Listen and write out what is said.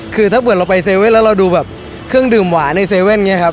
คือถ้าเกิดเราไปเซเว่นแล้วเราดูเครื่องดื่มหวานในเซเว่น